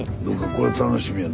これ楽しみや。